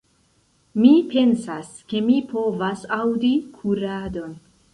Mi pensas, ke mi povas aŭdi kuradon.